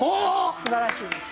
すばらしいです。